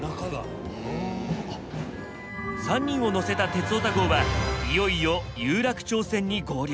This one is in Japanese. ３人を乗せた「鉄オタ号」はいよいよ有楽町線に合流。